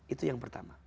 itu yang pertama